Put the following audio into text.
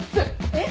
えっ？